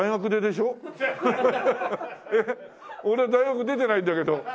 俺大学出てないんだけど。